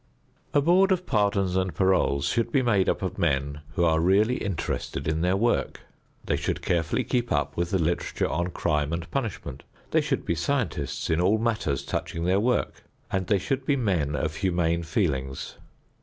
A board of pardons and paroles should be made up of men who are really interested in their work. They should carefully keep up with the literature on crime and punishment; they should be scientists in all matters touching their work, and they should be men of humane feelings.